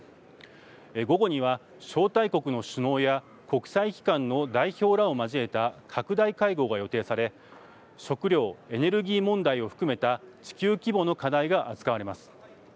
午後には招待国の首脳や国際機関の代表らを交えた拡大会合が予定され食料・エネルギー問題を含めた地球規模の課題が扱われます。